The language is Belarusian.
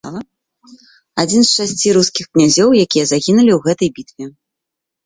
Адзін з шасці рускіх князёў, якія загінулі ў гэтай бітве.